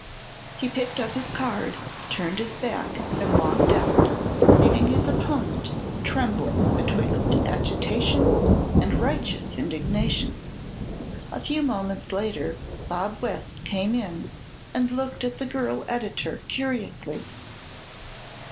He picked up his card, turned his back and walked out, leaving his opponent trembling betwixt agitation and righteous indignation. A few moments later Bob West came in and looked at the girl editor curiously.